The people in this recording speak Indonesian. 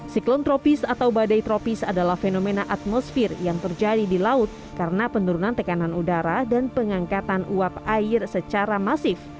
siklon tropis atau badai tropis adalah fenomena atmosfer yang terjadi di laut karena penurunan tekanan udara dan pengangkatan uap air secara masif